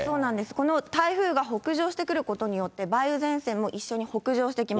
この台風が北上してくることによって、梅雨前線も一緒に北上してきます。